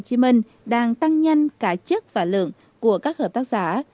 hồ chí minh đang tăng nhanh cả chất và lượng của các hợp tác xã